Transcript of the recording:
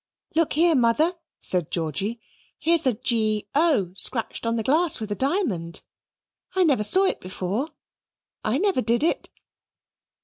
"Look here, Mother," said Georgy, "here's a G.O. scratched on the glass with a diamond, I never saw it before, I never did it."